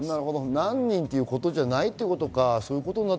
何人ということではないということですか？